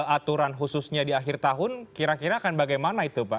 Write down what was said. aturan khususnya di akhir tahun kira kira akan bagaimana itu pak